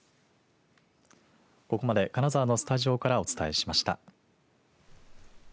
ここまで、金沢のスタジオからお伝えしました。